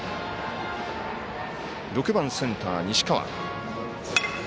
６番センター、西川。